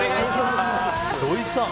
土井さん。